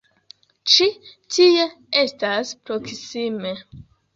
Ĉi tie estas proksime.